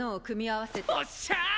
おっしゃあ！